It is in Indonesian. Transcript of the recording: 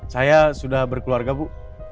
saya sudah berkeluarga bu